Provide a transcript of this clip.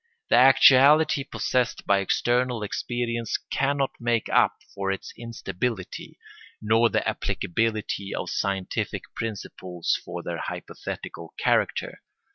The actuality possessed by external experience cannot make up for its instability, nor the applicability of scientific principles for their hypothetical character.